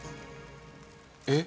えっ？